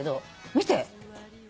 見て。